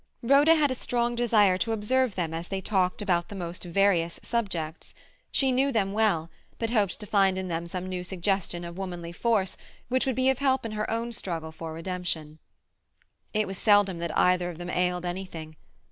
Rhoda had a strong desire to observe them as they talked about the most various subjects; she knew them well, but hoped to find in them some new suggestion of womanly force which would be of help to her in her own struggle for redemption. It was seldom that either of them ailed anything.